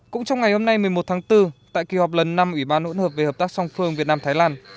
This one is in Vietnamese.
cũng trong ngày hôm nay một mươi một tháng bốn tại kỳ họp lần năm ủy ban hỗn hợp về hợp tác song phương việt nam thái lan